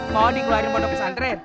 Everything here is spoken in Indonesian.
mau di gelar yang mau di pesantren